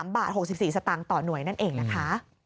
บาท๖๔สตางค์ต่อหน่วยนั่นเองนะคะ